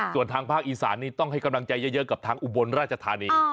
ส่วนทางภาคอีสานนี่ต้องให้กำลังใจเยอะกับทางอุบลราชธานี